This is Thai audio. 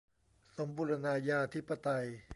สมบูรณาธิปไตย